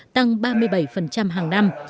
tăng ba mươi bảy hàng năm